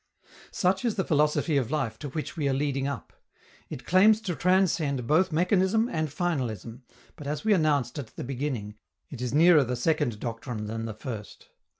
Such is the philosophy of life to which we are leading up. It claims to transcend both mechanism and finalism; but, as we announced at the beginning, it is nearer the second doctrine than the first.